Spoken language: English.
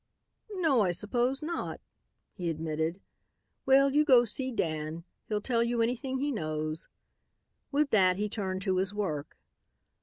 "No, I suppose not," he admitted. "Well, you go see Dan. He'll tell you anything he knows." With that he turned to his work.